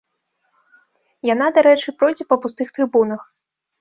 Яна, дарэчы, пройдзе пры пустых трыбунах.